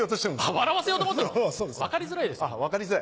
分かりづらいです。